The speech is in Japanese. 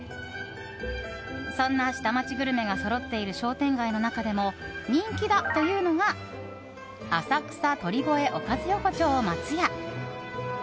そんな下町グルメがそろっている商店街の中でも人気だというのが浅草鳥越おかず横丁松屋。